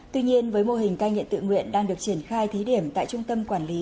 tuy nhiên với mô hình cai nghiện tự nguyện đang được triển khai thí điểm tại trung tâm quản lý